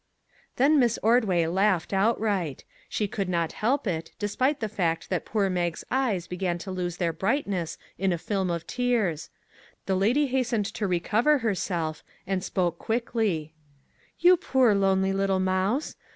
' 156 SURPRISES Then Miss Ordway laughed outright; she could not help it, despite the fact that poor Mag's eyes began to lose their brightness in a film of tears. The lady hastened to recover herself, and spoke quickly :" You poor, lonely little mouse